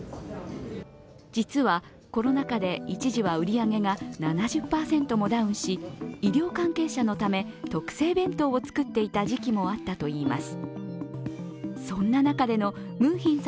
実はコロナ禍で一時は売り上げが７０％もダウンし医療関係者のため特製弁当を作っていた時期もあったといいます。